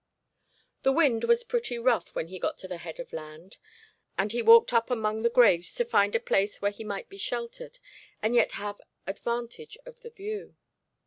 The wind was pretty rough when he got to the head of land, and he walked up among the graves to find a place where he might be sheltered and yet have advantage of the view.